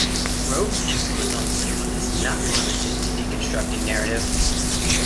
Roeg's influence on cinema is not limited to deconstructing narrative.